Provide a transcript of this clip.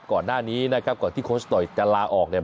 ก่อนหน้านี้นะครับก่อนที่โค้ชต่อยจะลาออกเนี่ย